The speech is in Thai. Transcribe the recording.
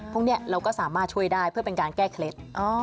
พวกนี้เราก็สามารถช่วยได้เพื่อเป็นการแก้เคล็ด